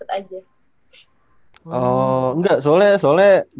tidak soalnya rik kalo gak salah pernah juga di hitam putih